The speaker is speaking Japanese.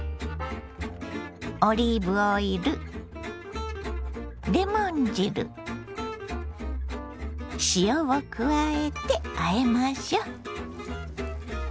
オリーブオイルレモン汁塩を加えてあえましょ。